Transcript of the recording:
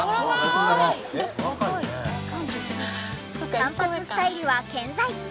短髪スタイルは健在。